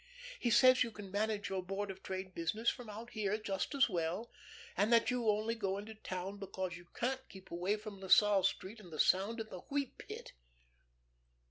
He says you can manage your Board of Trade business from out here just as well, and that you only go into town because you can't keep away from La Salle Street and the sound of the Wheat Pit."